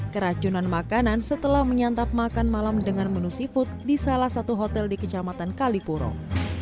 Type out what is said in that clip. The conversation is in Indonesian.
keracunan makanan setelah menyantap makan malam dengan menu seafood di salah satu hotel di kecamatan kalipurong